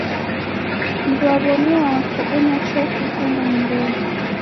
Mndwaw'omi wako onywa chofi ukaenda nyumbenyi.